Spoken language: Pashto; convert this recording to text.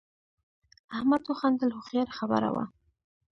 احمد وخندل هوښیاره خبره وه.